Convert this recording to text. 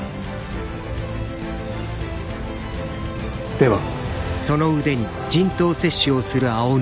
では。